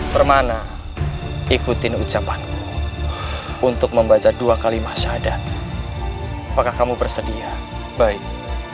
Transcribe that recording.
permana ikutin ucapanku untuk membaca dua kalimah syahadat apakah kamu bersedia baik